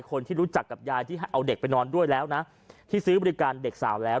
คนที่รู้จักกับยายที่ให้เอาเด็กไปนอนด้วยแล้วนะที่ซื้อบริการเด็กสาวแล้ว